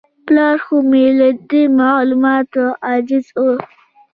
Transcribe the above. پلار خو مې له دې معلوماتو عاجز و.